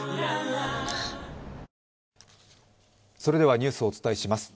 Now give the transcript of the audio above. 「東芝」ニュースをお伝えします。